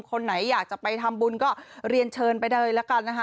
คนไหนอยากจะไปทำบุญก็เรียนเชิญไปเลยละกันนะคะ